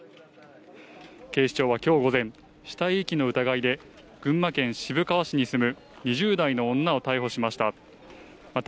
警視庁は今日午前、死体遺棄の疑いで群馬県渋川市に住む２０代の女を逮捕しました。